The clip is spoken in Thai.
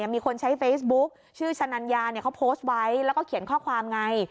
มีคนใช้เฟซบุ๊คชื่อชะนัญญาเขาโพสต์ไว้แล้วก็เขียนข้อความไง